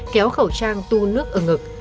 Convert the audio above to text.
khẩu trang tu nước ở ngực